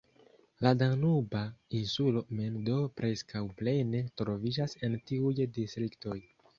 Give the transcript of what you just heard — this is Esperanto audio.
La Danuba Insulo mem do preskaŭ plene troviĝas en tiuj distriktoj.